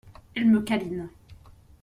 Elle me câline.